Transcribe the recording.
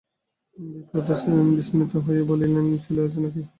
বিপ্রদাস বিস্মিত হয়ে জিজ্ঞাসা করলে, ছেলে আছে নাকি?